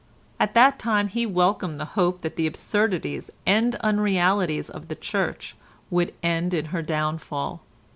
At that time he welcomed the hope that the absurdities and unrealities of the Church would end in her downfall.